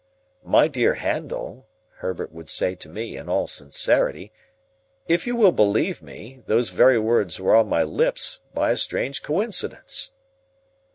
"My dear Handel," Herbert would say to me, in all sincerity, "if you will believe me, those very words were on my lips, by a strange coincidence."